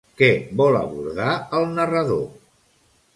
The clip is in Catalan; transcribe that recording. Què vol abordar el narrador?